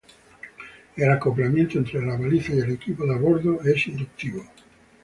El acoplamiento entre la baliza y el equipo de a bordo es inductivo.